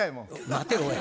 待ておい。